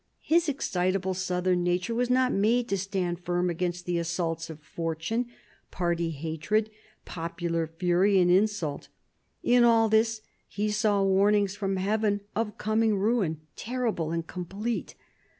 His excitable southern nature was not made to stand firm against the assaults of fortune, party hatred, popular fury and insult ; in all this he saw warnings from heaven of coming ruin, terrible and complete.